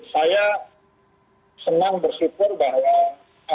saya senang bersyukur bahwa